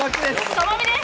友美です！